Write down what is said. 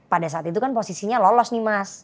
pada saat itu kan posisinya lolos nih mas